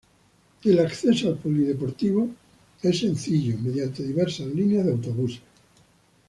El acceso al polideportivos es sencillo mediante diversas líneas de autobuses.